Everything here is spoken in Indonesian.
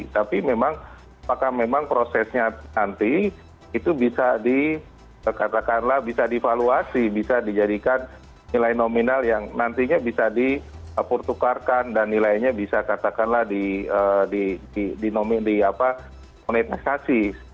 tapi memang apakah memang prosesnya nanti itu bisa dikatakanlah bisa divaluasi bisa dijadikan nilai nominal yang nantinya bisa dipertukarkan dan nilainya bisa katakanlah di monetisasi